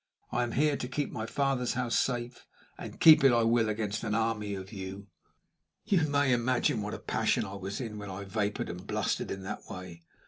I am here to keep my father's house safe, and keep it I will against an army of you!" You may imagine what a passion I was in when I vapored and blustered in that way.